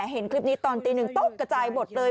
เห็นคลิปนี้ตอนตีหนึ่งโต๊ะกระจายหมดเลย